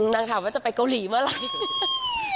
นางถามว่าจะไปเกาหลีเมื่อไหร่